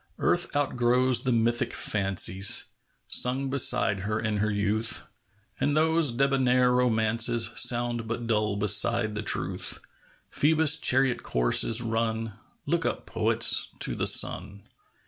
ARTH outgrows the mythic fancies Sung beside her in her youth ; And those debonair romances Sound but dull beside the truth. Phoebus' chariot course is run ! Look up, poets, to the sun